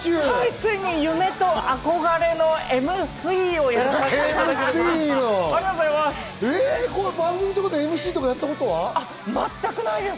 ついに夢と憧れのＭＣをやらせていただきます。